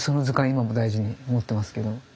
今も大事に持ってますけど。